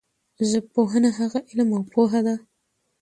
ژبپوهنه هغه علم او پوهه ده